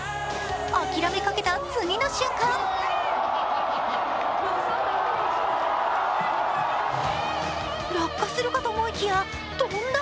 諦めかけた次の瞬間落下するかと思いきや、飛んだ！